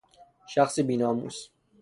شخص بی ناموس